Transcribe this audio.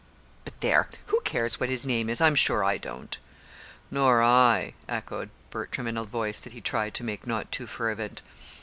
"But there! who cares what his name is? I'm sure I don't." "Nor I," echoed Bertram in a voice that he tried to make not too fervent.